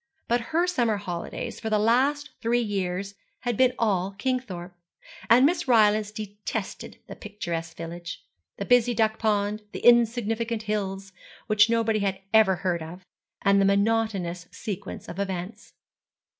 But her summer holidays for the last three years had been all Kingthorpe, and Miss Rylance detested the picturesque village, the busy duck pond, the insignificant hills, which nobody had ever heard of, and the monotonous sequence of events.